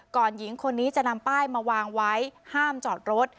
หญิงคนนี้จะนำป้ายมาวางไว้ห้ามจอดรถ